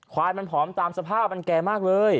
ควายมันผอมตามสภาพมันแก่มากเลย